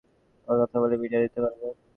আমরা কথা বলে মিটিয়ে নিতে পারব।